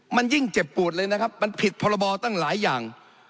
มันยิ่งเจ็บปวดเลยนะครับมันผิดพรบตั้งหลายอย่าง